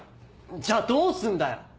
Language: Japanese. じゃあどうすんだよ！